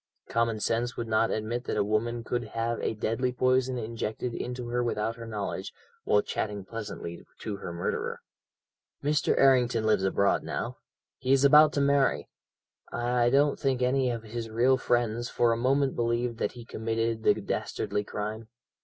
Common sense would not admit that a woman could have a deadly poison injected into her without her knowledge, while chatting pleasantly to her murderer. "Mr. Errington lives abroad now. He is about to marry. I don't think any of his real friends for a moment believed that he committed the dastardly crime.